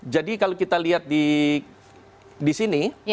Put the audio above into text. jadi kalau kita lihat di sini